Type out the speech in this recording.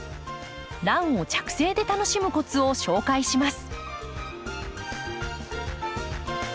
ランを着生で楽しむコツを紹介します。